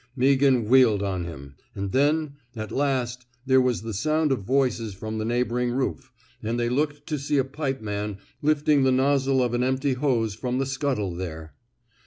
Meaghan wheeled on him. And then, at last, there was the sound of voices from the neighboring roof, and they looked to see a pipeman lifting the nozzle of an empty hose from the scuttle there.